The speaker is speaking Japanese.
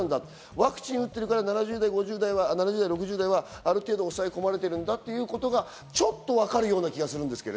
ワクチンを打ってるから７０代、６０代はある程度抑え込まれているんだということがちょっとわかるような気がする。